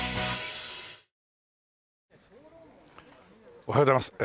おはようございます。